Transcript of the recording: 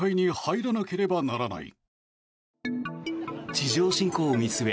地上侵攻を見据え